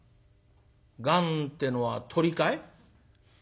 「がんってのは鳥かい？」。